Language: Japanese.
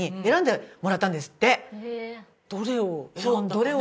どれを。